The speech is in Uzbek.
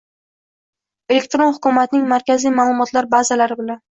elektron hukumatning markaziy ma’lumotlar bazalari bilan